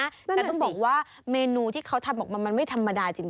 แต่ต้องบอกว่าเมนูที่เขาทำออกมามันไม่ธรรมดาจริง